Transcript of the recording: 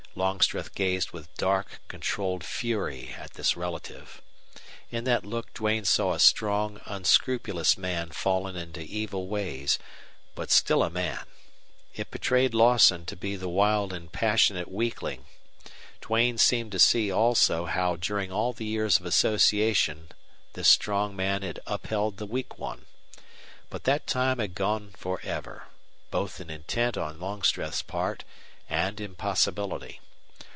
Longstreth gazed with dark, controlled fury at this relative. In that look Duane saw a strong, unscrupulous man fallen into evil ways, but still a man. It betrayed Lawson to be the wild and passionate weakling. Duane seemed to see also how during all the years of association this strong man had upheld the weak one. But that time had gone for ever, both in intent on Longstreth's part and in possibility.